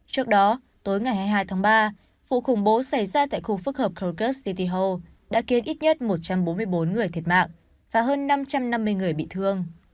trước đó tối ngày hai mươi hai tháng ba vụ khủng bố xảy ra tại khu phức hợp krogus city ho đã khiến ít nhất một trăm bốn mươi bốn người thiệt mạng và hơn năm trăm năm mươi người bị thương